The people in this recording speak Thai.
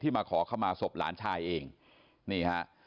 มาขอขมาศพหลานชายเองนี่ฮะ